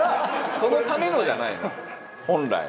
「そのためのじゃないの？本来」